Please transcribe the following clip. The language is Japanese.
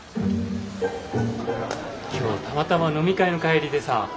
今日たまたま飲み会の帰りでさ。